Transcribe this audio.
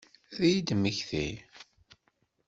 Ad iyi-d-temmekti?